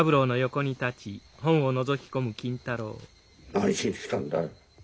何しに来たんだ？